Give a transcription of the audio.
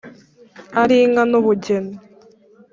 ari inka nu bugeni.